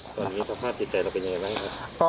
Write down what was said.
อันนี้สภาพใจแต่เราก็เป็นยังไงบ้างครับ